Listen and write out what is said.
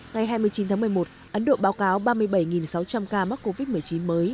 ngày hai mươi chín tháng một mươi một ấn độ báo cáo ba mươi bảy sáu trăm linh ca mắc covid một mươi chín mới